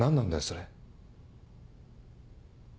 それ。